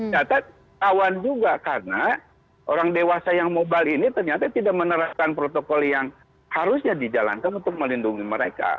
ternyata tawan juga karena orang dewasa yang mobile ini ternyata tidak menerapkan protokol yang harusnya dijalankan untuk melindungi mereka